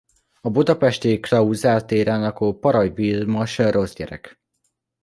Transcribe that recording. A budapesti Klauzál téren lakó Paraj Vilmos rossz gyerek.